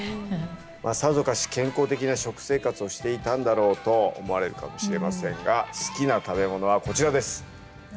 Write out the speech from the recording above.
さぞかし健康的な食生活をしていたんだろうと思われるかもしれませんが好きな食べ物はこちらです。